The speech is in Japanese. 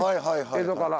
江戸から。